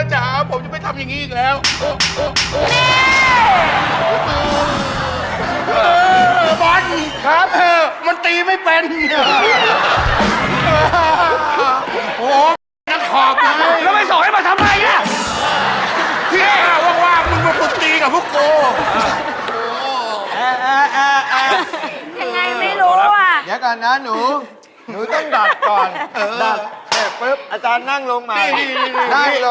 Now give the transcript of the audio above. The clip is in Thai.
โหแม่ตีผมเลยแม่จ๋าผมจะไม่ทำอย่างนี้อีกแล้ว